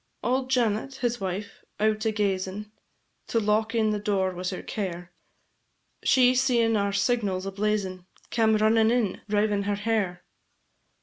Auld Janet, his wife, out a gazin', To lock in the door was her care; She seein' our signals a blazin', Came runnin' in, rivin' her hair.